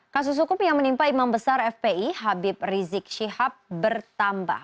kasus hukum yang menimpa imam besar fpi habib rizik syihab bertambah